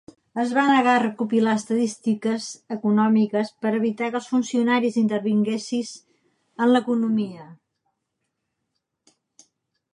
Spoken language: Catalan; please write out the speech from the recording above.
Es va negar a recopilar estadístiques econòmiques per evitar que els funcionaris intervinguessis en l'economia.